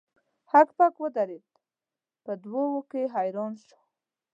هک پک ودریده په دوه وو کې حیران شو.